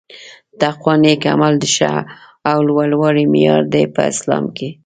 تقوا نيک عمل د ښه او لووالي معیار دي په اسلام کي